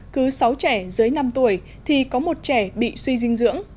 cứ sáu trẻ dưới năm tuổi thì có một trẻ bị suy dinh dưỡng